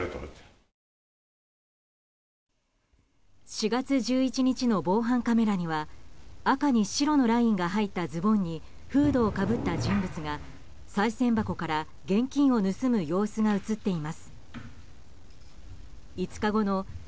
４月１１日の防犯カメラには赤に白のラインが入ったズボンにフードをかぶった人物がさい銭箱から現金を盗む様子が映っています。